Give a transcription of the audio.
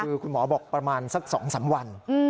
คือคุณหมอบอกประมาณสัก๒๓วัน